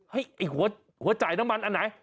ไอ้หัวจ่ายน้ำมันอันไหน